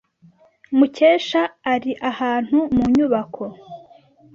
Mukesha ari ahantu mu nyubako.